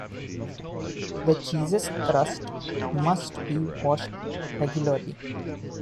The cheese's crust must be washed regularly.